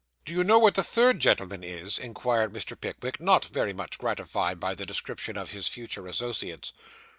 'Do you know what the third gentlemen is?' inquired Mr. Pickwick, not very much gratified by this description of his future associates.